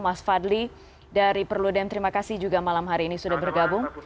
mas fadli dari perludem terima kasih juga malam hari ini sudah bergabung